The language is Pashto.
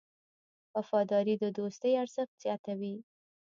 وفاداري د دوستۍ ارزښت زیاتوي.